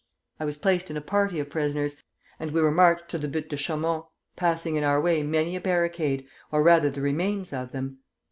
"I was placed in a party of prisoners, and we were marched to the Buttes de Chaumont, passing in our way many a barricade, or rather the remains of them.